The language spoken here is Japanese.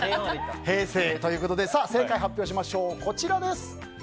平成ということで正解発表しましょう。